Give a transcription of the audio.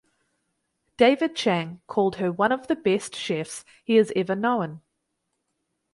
David Chang called her one of the best chefs he has ever known.